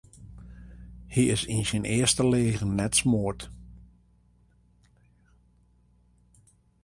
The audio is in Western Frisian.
Hy is yn syn earste leagen net smoard.